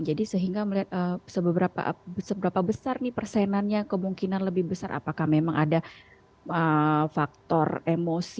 jadi sehingga melihat seberapa besar nih persenannya kemungkinan lebih besar apakah memang ada faktor emosi